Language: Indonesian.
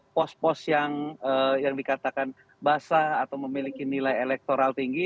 pos pos yang dikatakan basah atau memiliki nilai elektoral tinggi